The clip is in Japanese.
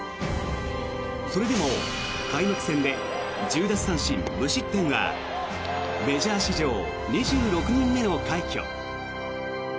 それでも開幕戦で１０奪三振無失点はメジャー史上２６人目の快挙。